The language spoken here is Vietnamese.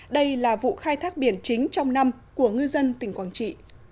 đây là vụ khai thác biển chính trong năm của ngư dân tỉnh quảng trị